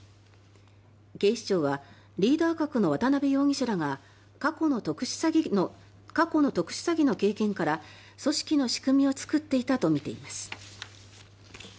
警視庁はリーダー格の渡邉容疑者らが過去の特殊詐欺の経験から組織の仕組みを作っていたとみています。